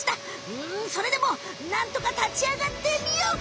うんそれでもなんとかたちあがってみようか！